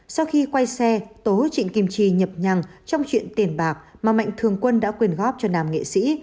sau khi quay xe tố trịnh kim chi nhập nhằng trong chuyện tiền bạc mà mạnh thường quân đã quyền góp cho nam nghệ sĩ